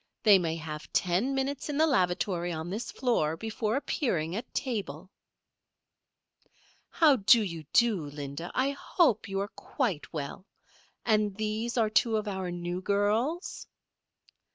They may have ten minutes in the lavatory on this floor before appearing at table." "How do you do, Linda? I hope you are quite well. And these are two of our new girls?"